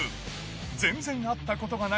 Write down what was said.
全然会ったことがない